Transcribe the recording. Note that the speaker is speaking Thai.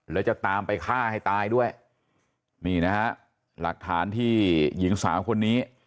แล้วจะตามไปฆ่าให้ตายด้วยนี่นะฮะหลักฐานที่หญิงสาวคนนี้